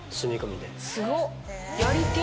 すごっ。